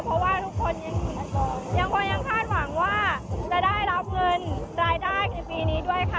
เพราะว่าทุกคนยังคงยังคาดหวังว่าจะได้รับเงินรายได้ในปีนี้ด้วยค่ะ